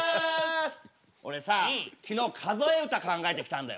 俺さ昨日数え歌考えてきたんだよね。